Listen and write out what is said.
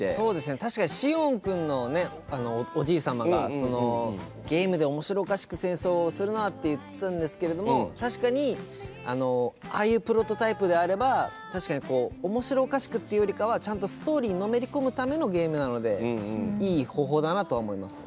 確かにしおんくんのおじいさまがゲームでおもしろおかしく戦争をするなって言ってたんですけれども確かにああいうプロトタイプであれば確かにおもしろおかしくっていうよりかはちゃんとストーリーにのめり込むためのゲームなのでいい方法だなとは思いますね。